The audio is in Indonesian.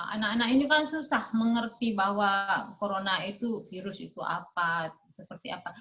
anak anak ini kan susah mengerti bahwa corona itu virus itu apa seperti apa